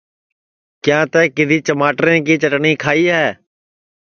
کیا تیں کِدؔھی چماٹریں کی چٹٹؔی کھائی ہے